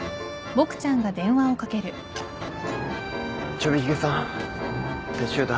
ちょび髭さん撤収だ。